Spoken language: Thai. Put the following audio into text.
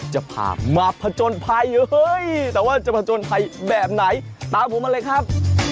จะพามาผจญภัยเฮ้ยแต่ว่าจะผจญภัยแบบไหนตามผมมาเลยครับ